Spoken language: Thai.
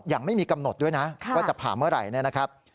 ยังไม่มีกำหนดด้วยนะว่าจะผ่าเมื่อไหร่นะครับ